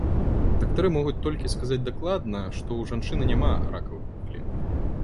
Дактары могуць толькі сказаць дакладна, што ў жанчыны няма ракавых пухлін.